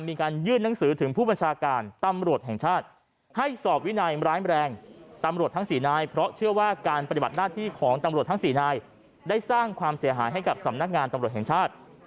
มีการยื่นหนังสือถึงผู้บัญชาการตำรวจแห่งชาติให้สอบวินัยร้ายแรงตำรวจทั้งสี่นายเพราะเชื่อว่าการปฏิบัติหน้าที่ของตำรวจทั้ง๔นายได้สร้างความเสียหายให้กับสำนักงานตำรวจแห่งชาติ